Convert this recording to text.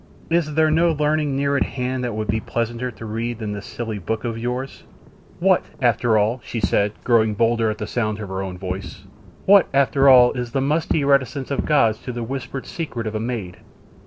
Is there no learning near at hand that would be pleasanter reading than this silly book of yours? What, after all," she said, growing bolder at the sound of her own voice, "what, after all, is the musty reticence of gods to the whispered secret of a maid?